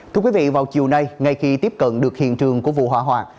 thưa quý vị vào chiều nay ngay khi tiếp cận được hiện trường của vụ hỏa hoạn